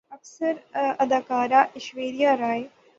اکثر اداکارہ ایشوریا رائے